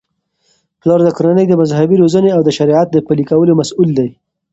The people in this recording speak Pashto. پلار د کورنی د مذهبي روزنې او د شریعت د پلي کولو مسؤل دی.